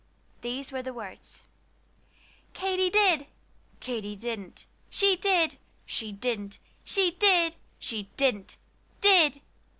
These were the words "Katy did." "Katy didn't." "She did." "She didn't." "She did." "She didn't." "Did."